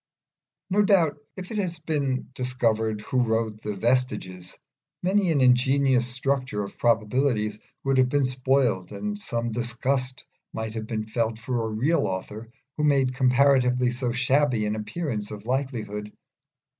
No doubt if it had been discovered who wrote the 'Vestiges,' many an ingenious structure of probabilities would have been spoiled, and some disgust might have been felt for a real author who made comparatively so shabby an appearance of likelihood.